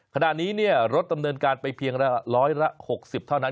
ขณะนี้รถดำเนินการไปเพียงร้อยละ๖๐เท่านั้น